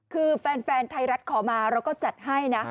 คือแฟนไทยรัฐขอมาเราก็จัดให้นะ